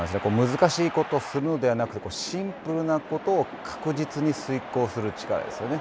難しいことをするのではなくてシンプルなことを確実に遂行する力ですよね。